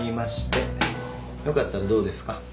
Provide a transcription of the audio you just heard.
よかったらどうですか？